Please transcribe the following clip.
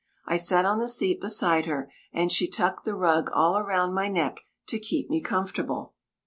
I sat on the seat beside her, and she tucked the rug all round my neck to keep me comfortable.